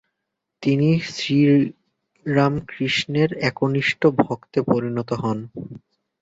তিনি শ্রীরামকৃষ্ণের একনিষ্ঠ ভক্তে পরিণত হন।